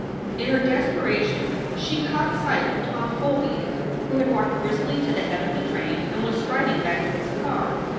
In her desperation she caught sight of Tom Holby, who had walked briskly to the head of the train and was striding back to his car.